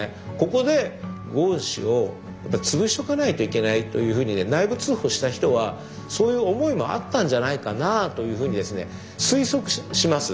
ここでゴーン氏をつぶしておかないといけないというふうにね内部通報した人はそういう思いもあったんじゃないかなあというふうにですね推測します。